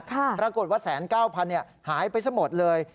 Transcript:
ปรากฏว่า๑๙๐๐๐๐๐บาทหายไปเสมอหมดเลย